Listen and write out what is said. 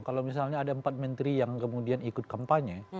kalau misalnya ada empat menteri yang kemudian ikut kampanye